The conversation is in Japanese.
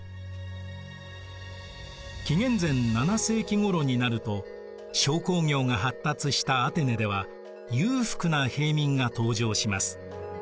紀元前７世紀ごろになると商工業が発達したアテネでは裕福な平民が登場します。